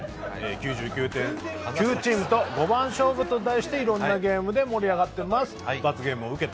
「９９．９」チームと５番勝負と題していろんなゲームで盛り上がってます。